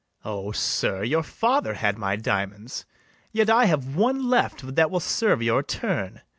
BARABAS. O, sir, your father had my diamonds: Yet I have one left that will serve your turn.